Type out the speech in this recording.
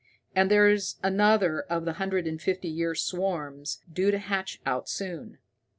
And there's another of the hundred and fifty year swarms due to hatch out soon.